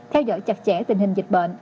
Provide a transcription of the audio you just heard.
theo dõi chặt chẽ tình hình dịch bệnh